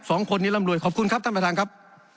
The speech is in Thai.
สองคนนี้ร่ำรวยขอบคุณครับท่านประธานครับ